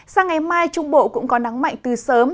sang ngày mai trung bộ cũng có nắng mạnh từ sớm